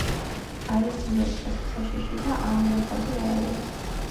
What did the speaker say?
არის ძლიერ ცეცხლსაშიში და აალებადი აირი.